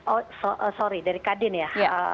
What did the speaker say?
oh sorry dari kadin ya